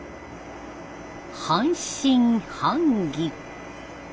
半信半疑。